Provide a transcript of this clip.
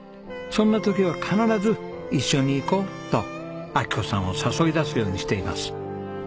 そんな時は必ず「一緒に行こう」と昭子さんを誘いだすようにしています。